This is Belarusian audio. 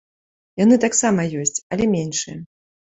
Яны таксама ёсць, але меншыя.